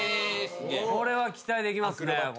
これは期待できますね。